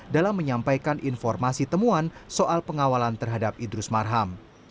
dalam menyampaikan informasi temuan soal pengawalan terhadap idrus marham